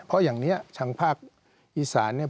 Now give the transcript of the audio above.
เพราะอย่างนี้ทางภาคอีสานเนี่ย